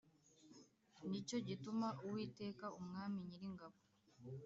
Ni cyo gituma Uwiteka Umwami Nyiringabo